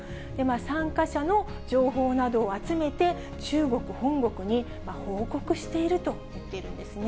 参加者の情報などを集めて、中国本国に報告しているといっているんですね。